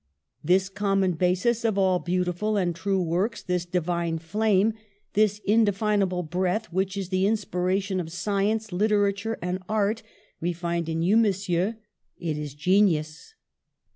This common basis of all beautiful and true works, this divine flame, this indefina ble breath which is the inspiration of science, literature and art, we find in you. Monsieur : it is genius.